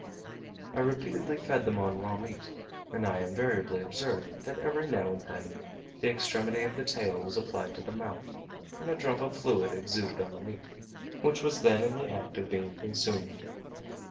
I repeatedly fed them on raw meat; and I invariably observed, that every now and then the extremity of the tail was applied to the mouth, and a drop of fluid exuded on the meat, which was then in the act of being consumed.